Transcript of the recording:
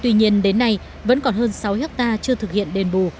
tuy nhiên đến nay vẫn còn hơn sáu hectare chưa thực hiện đền bù